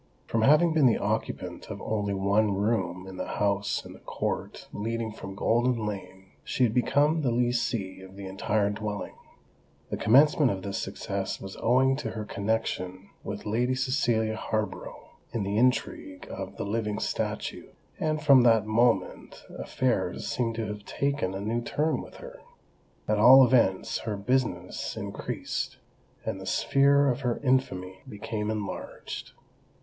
From having been the occupant of only one room in the house in the court leading from Golden Lane, she had become the lessee of the entire dwelling. The commencement of this success was owing to her connexion with Lady Cecilia Harborough in the intrigue of the "living statue;" and from that moment affairs seemed to have taken a new turn with her. At all events her "business" increased; and the sphere of her infamy became enlarged.